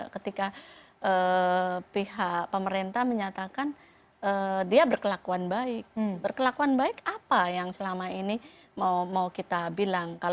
ketika pihak pemerintah menyatakan dia berkelakuan baik berkelakuan baik apa yang selama ini mau kita bilang